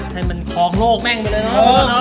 ให้มันคลองโลกแม่งไปเลยเนาะ